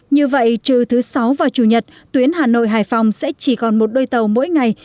như vậy trừ thứ sáu và chủ nhật tuyến hà nội hải phòng sẽ chỉ còn một đôi tàu mỗi ngày